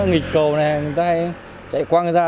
nghịch cầu này người ta hay chạy qua người ra